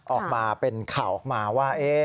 ออกมาเป็นข่าวออกมาว่า